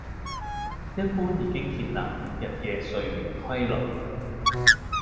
一般已經建立日夜睡眠規律